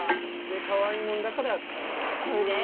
かわいいもんだからやっぱり知ってるわけよ。